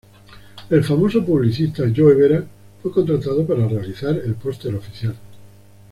El famoso publicista Joe Vera fue contratado para realizar el póster oficial.